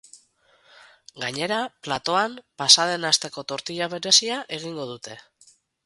Gainera, platoan, pasa den asteko tortilla berezia egingo dute!